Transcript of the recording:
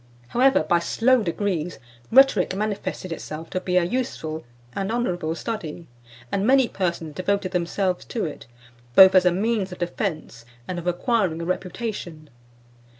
However, by slow degrees, rhetoric manifested itself to be a (525) useful and honourable study, and many persons devoted themselves to it, both as a means of defence and of acquiring reputation.